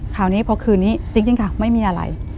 คราวนี้พอคืนนี้จริงค่ะไม่มีอะไร